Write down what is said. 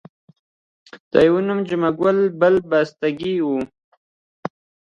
د یوه نوم جمعه ګل بل پستکی وو.